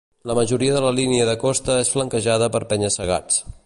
La majoria de la línia de costa és flanquejada per penya-segats.